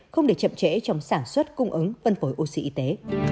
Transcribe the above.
không để chậm trễ trong sản xuất cung ứng phân phối oxy y tế